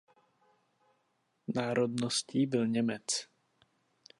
Národností byl Němec.